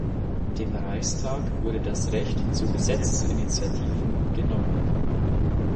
Dem Reichstag wurde das Recht zu Gesetzesinitiativen genommen.